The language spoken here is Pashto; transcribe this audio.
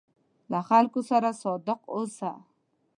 له خلکو سره صادق اوسه.